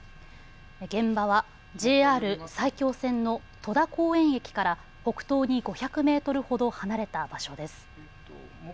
現場はＪＲ埼京線の戸田公園駅から北東に５００メートルほど離れた場所です。